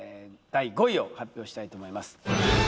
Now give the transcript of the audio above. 第５位を発表したいと思います